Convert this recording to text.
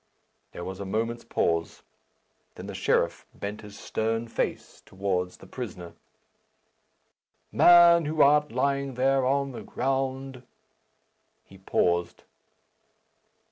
There was a moment's pause; then the sheriff bent his stern face towards the prisoner. "Man, who art lying there on the ground " He paused.